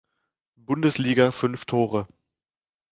Bundesliga fünf Tore.